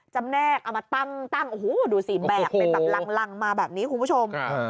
แนกเอามาตั้งโอ้โหดูสิแบกเป็นแบบลังมาแบบนี้คุณผู้ชม